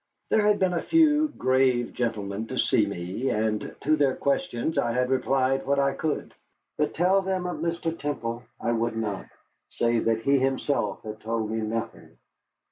There had been a few grave gentlemen to see me, and to their questions I had replied what I could. But tell them of Mr. Temple I would not, save that he himself had told me nothing.